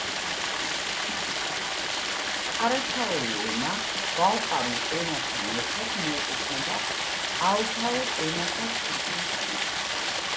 ყარაჩაული ენა ბალყარულ ენასთან ერთად მიეკუთვნება ალთაურ ენათა თურქულ ჯგუფს.